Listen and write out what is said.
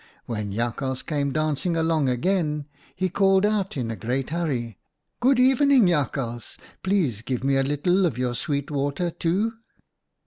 When Jakhals came dancing along again, he called out in a great hurry, ■ Good evening, Jakhals ! Please give me a little of your sweet water, too!'